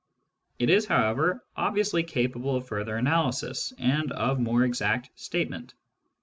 It is, however, obviously capable of further analysis, and of more exact statement.